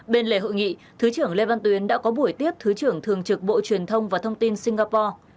bên lề hội nghị thứ trưởng lê văn tuyến đã có buổi tiếp thứ trưởng thường trực bộ truyền thông và thông tin singapore